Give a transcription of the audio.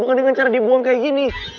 bukan dengan cara dibuang kayak gini